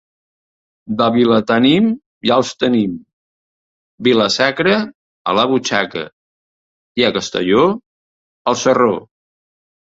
De Vilatenim, ja els tenim; Vila-sacra, a la butxaca, i a Castelló, al sarró.